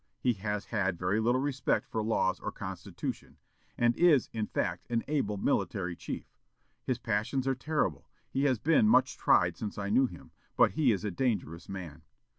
He has had very little respect for laws or constitution, and is, in fact, an able military chief. His passions are terrible.... He has been much tried since I knew him, but he is a dangerous man."